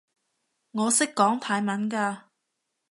我識講泰文㗎